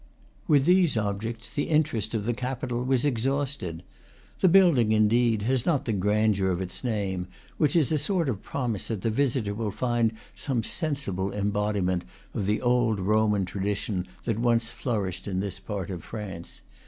With these objects the interest of the Capitol was exhausted. The building, indeed, has not the grandeur of its name, which is a sort of promise that the visitor will find some sensible embodiment of the old Roman tradition that once flourished in this part of France.